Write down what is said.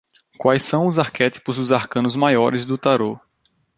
Quais são os arquétipos dos arcanos maiores do Tarô?